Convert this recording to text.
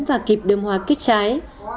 và kịp đơm hòa kết trái